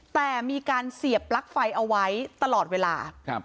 แต่มีการเสียบปลั๊กไฟเอาไว้ตลอดเวลา